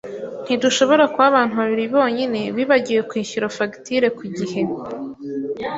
Ntidushobora kuba abantu babiri bonyine bibagiwe kwishyura fagitire ku gihe.